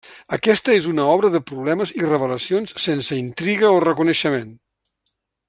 Aquesta és una obra de problemes i revelacions sense intriga o reconeixement.